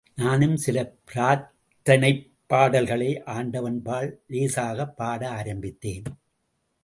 நானும் சில பிரார்த்தனைப் பாடல்களை ஆண்டவன்பால் லேசாகப் பாட ஆரம்பித்தேன்.